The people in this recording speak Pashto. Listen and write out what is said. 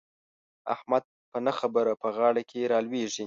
احمد په نه خبره په غاړه کې را لوېږي.